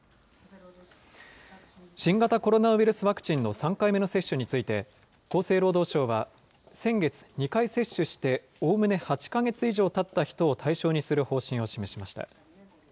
新型コロナウイルスワクチンの３回目の接種について、厚生労働省は、先月、２回接種しておおむね８か月以上たった人を対象にする方針を示しました。